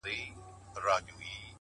ما وېل سفر کومه ځمه او بیا نه راځمه،